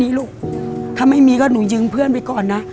นะก็ไม่มีก็หนูยืมเพื่อนไปก่อนนะ